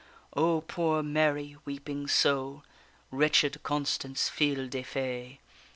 O poor Mary, weeping so! Wretched Constance fille de fay!